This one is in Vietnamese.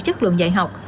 chất lượng dạy học